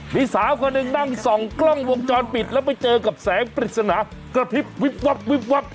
มีสาวคนหนึ่งนั่งส่องกล้องวงจรปิดแล้วไปเจอกับแสงปริศนากระพริบวิบวับวิบวับ